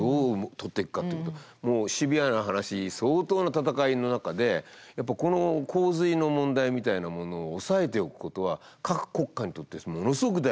もうシビアな話相当な闘いの中でやっぱこの洪水の問題みたいなものを押さえておくことは各国家にとってものすごく大事なことなんですね。